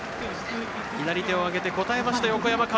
左手を上げて、応えました。